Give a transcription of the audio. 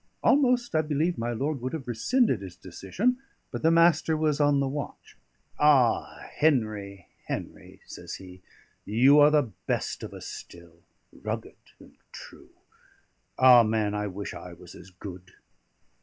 Almost I believe my lord would have rescinded his decision; but the Master was on the watch. "Ah! Henry, Henry," says he, "you are the best of us still. Rugged and true! Ah! man, I wish I was as good."